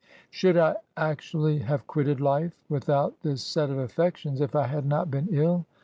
Should I actually have quitted life without this set of affections, if I had not been ill